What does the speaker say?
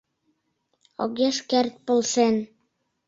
Огеш керт полшен.